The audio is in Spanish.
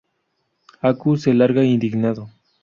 Aku se larga indignado.